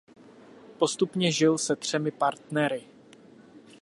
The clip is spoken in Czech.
Postupně žil se třemi partnery.